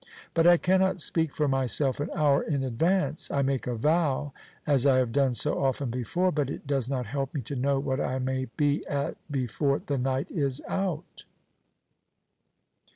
But I cannot speak for myself an hour in advance. I make a vow, as I have done so often before, but it does not help me to know what I may be at before the night is out."